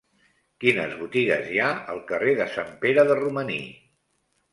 Quines botigues hi ha al carrer de Sant Pere de Romaní?